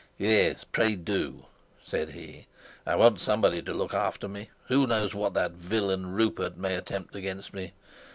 "Yes, pray do," said he. "I want somebody to look after me. Who knows what that villain Rupert may attempt against me?